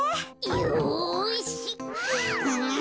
よし！